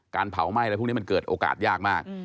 เผาไหม้อะไรพวกนี้มันเกิดโอกาสยากมาก